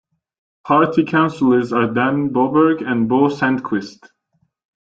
Party councillors are Dan Boberg and Bo Sandquist.